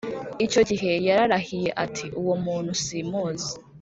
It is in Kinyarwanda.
icyo gihe yararahiye ati, “uwo muntu simuzi